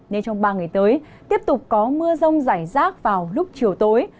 nên trong ba ngày tới tiếp tục có mưa rông rải rác vào lúc chiều tối